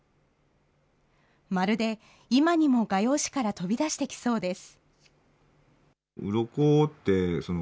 まるで今にも画用紙から飛び出してきそうです。